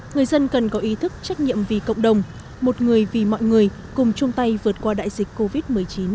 người dân cần có ý thức trách nhiệm vì cộng đồng một người vì mọi người cùng chung tay vượt qua đại dịch covid một mươi chín